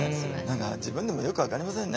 何か自分でもよく分かりませんね。